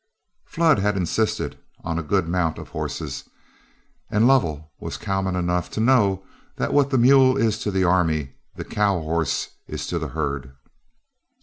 Flood had insisted on a good mount of horses, and Lovell was cowman enough to know that what the mule is to the army the cow horse is to the herd.